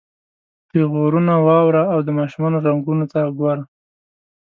پیغورونه واوره او د ماشومانو رنګونو ته ګوره.